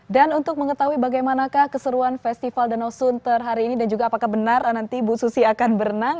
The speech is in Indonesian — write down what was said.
dan untuk mengetahui bagaimanakah keseruan festival danau sunter hari ini dan juga apakah benar nanti bu susi akan berenang